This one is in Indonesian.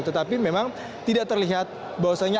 tetapi memang tidak terlihat bahwasannya